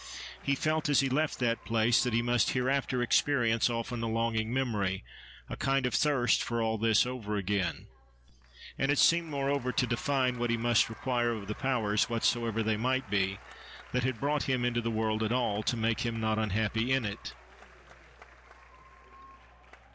He felt, as he left that place, that he must hereafter experience often a longing memory, a kind of thirst, for all this, over again. And it seemed moreover to define what he must require of the powers, whatsoever they might be, that had brought him into the world at all, to make him not unhappy in it.